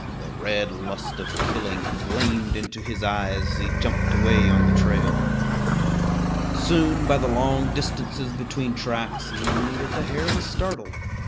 The red lust of killing flamed into his eyes as he jumped away on the trail. Soon, by the long distances between tracks, he knew that the hare was startled.